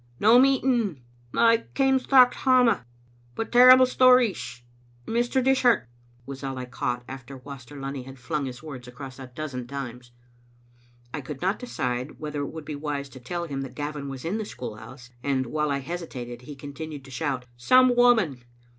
"No meeting ... I came straucht hame ... but terrible stories ... Mr. Dishart," was all I caught after Waster Lunny had flung his words across a dozen times. I could not decide whether it would be wise to tell him that Gavin was in the school house, and while I hesitated he continued to shout :" Some woman ..